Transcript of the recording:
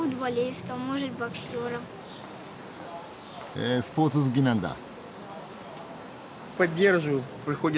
へえスポーツ好きなんだ。